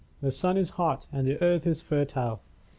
The sun is hot and the earth is fertile.